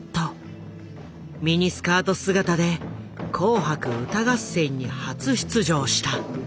ミニスカート姿で「紅白歌合戦」に初出場した。